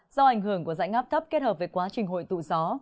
do ảnh hưởng của dãy ngáp thấp kết hợp với quá trình hội tụ gió